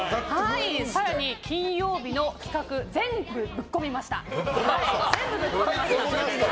更に、金曜日の企画全部ぶっこみました。